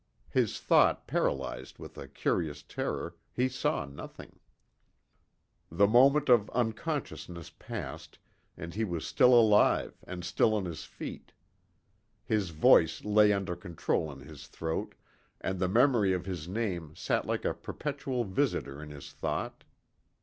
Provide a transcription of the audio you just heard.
His thought paralyzed with a curious terror, he saw nothing. The moment of unconsciousness passed and he was still alive and still on his feet. His voice lay under control in his throat and the memory of his name sat like a perpetual visitor in his thought.